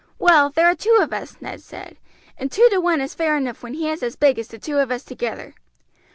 "Well, there are two of us," Ned said, "and two to one is fair enough when he is as big as the two of us together."